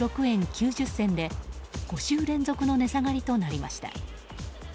９０銭で５週連続の値下がりとなりました。